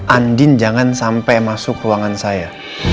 andin jangan sampai masuk ruangan saya